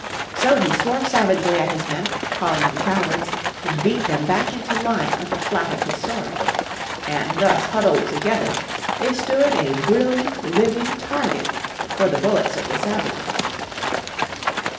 So he swore savagely at his men, calling them cowards, and beat them back into line with the flat of his sword. And thus huddled together they stood a brilliant, living target for the bullets of the savages.